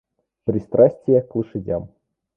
Пристрастие к лошадям.